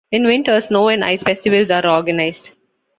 In winter, snow and ice festivals are organized.